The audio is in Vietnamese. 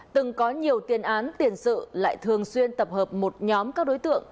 từng có nhiều tiền án tiền sự lại thường xuyên tập hợp một nhóm các đối tượng